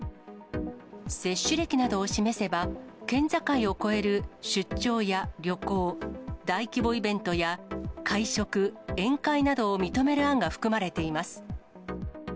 接種歴などを示せば、県境を越える出張や旅行、大規模イベントや会食、宴会などを認める案が含まれています。